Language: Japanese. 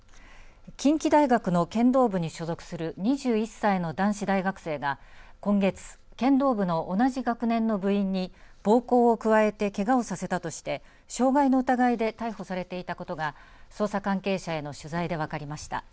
近畿大学の剣道部に所属する２１歳の男子大学生が今月、剣道部の同じ学年の部員に暴行を加えてけがをさせたとして傷害の疑いで逮捕されていたことが捜査関係者への取材で分かりました。